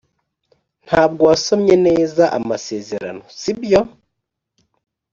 ntabwo wasomye neza amasezerano, sibyo?